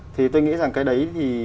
thì tôi nghĩ rằng cái đấy thì